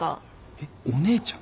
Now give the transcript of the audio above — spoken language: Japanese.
えっお姉ちゃん？